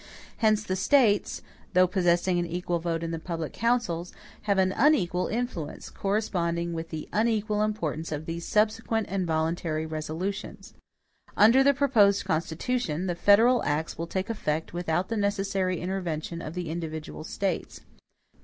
Hence the states, though possessing an equal vote in the public councils, have an unequal influence, corresponding with the unequal importance of these subsequent and voluntary resolutions. Under the proposed Constitution, the federal acts will take effect without the necessary intervention of the individual States.